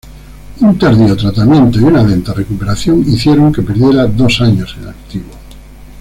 Un tardío tratamiento y una lenta recuperación hicieron que perdiera dos años en activo.